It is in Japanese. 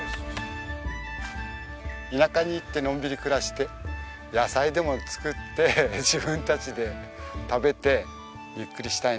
田舎に行ってのんびり暮らして野菜でも作って自分たちで食べてゆっくりしたいな。